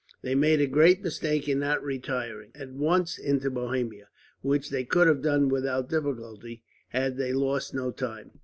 They made a great mistake in not retiring, at once, into Bohemia; which they could have done without difficulty, had they lost no time.